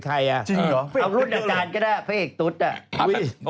เอารุ่นอาจารย์ก็ได้พระเอกทุษอ่ะ